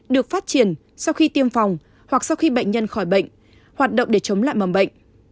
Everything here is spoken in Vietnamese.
được phát triển sau khi tiêm phòng hoặc sau khi bệnh nhân khỏi bệnh hoạt động để chống lại mầm bệnh